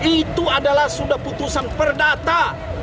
itu adalah sudah putusan perdata